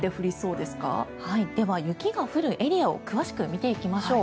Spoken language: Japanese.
では、雪が降るエリアを詳しく見ていきましょう。